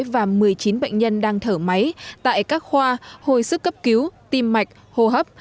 và một mươi chín bệnh nhân đang thở máy tại các khoa hồi sức cấp cứu tim mạch hô hấp